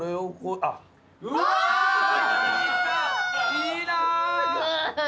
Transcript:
いいな！